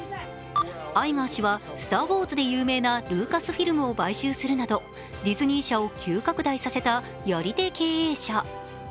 アイガー氏は、「スター・ウォーズ」で有名なルーカスフィルムを買収するなどディズニー社を急拡大させたやり手経営者。